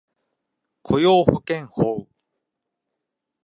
雇用保険法